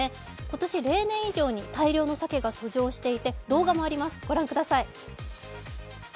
今年、例年以上に大量のサケが遡上していて、動画もあります、ご覧ください。